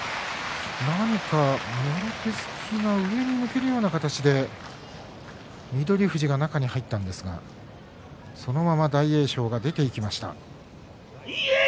もろ手突きが上に抜けるような形に翠富士が中に入ったんですがそのまま大栄翔が出ていきました。